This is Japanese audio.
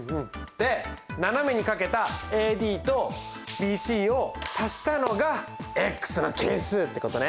で斜めにかけたｄとｂｃを足したのがの係数ってことね。